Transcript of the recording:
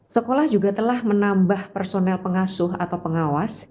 sekolah juga telah menambah personel pengasuh atau pengawas